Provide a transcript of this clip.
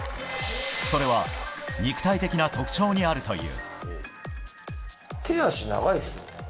それは肉体的な特徴にあるという。